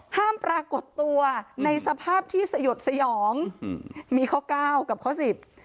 ห้ามปรากฏตัวในสภาพที่สยดสยองมีข้าวเก้ากับข้าวสิบ